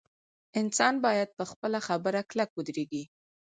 انسان باید په خپله خبره کلک ودریږي.